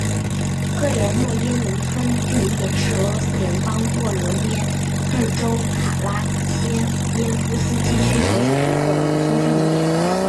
科连诺耶农村居民点是俄罗斯联邦沃罗涅日州卡拉切耶夫斯基区所属的一个农村居民点。